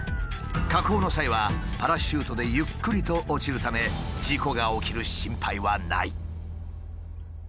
下降の際はパラシュートでゆっくりと落ちるため事故が起きる心配はない。